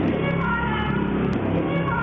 พี่พี่ขอโทษแล้ว